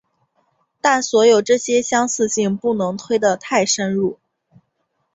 但所有这些相似性不能推得太深入。